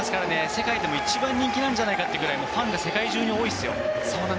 世界でも一番人気なんじゃないかというぐらい、ファンが世界中に多いです。